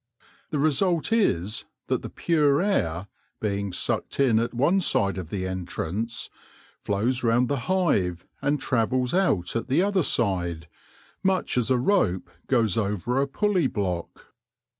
The result is that the pure air, being sucked in at one side of the entrance, flows round the hive and travels out at the other side, much as a roi e goes over a pulley block.